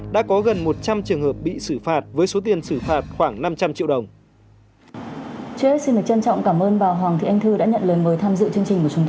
đã có gần một trăm linh trường hợp bị xử phạt với số tiền xử phạt khoảng năm trăm linh triệu đồng